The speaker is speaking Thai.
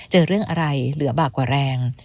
เจอเรื่องอะไรเหลือบากกว่าแรง